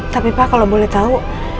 tapi pak kalau boleh tahu